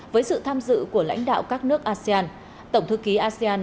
với sự tham dự của lãnh đạo các nước asean tổng thư ký asean